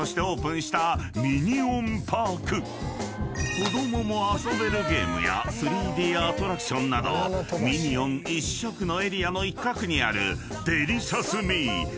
［子供も遊べるゲームや３Ｄアトラクションなどミニオン一色のエリアの一角にある］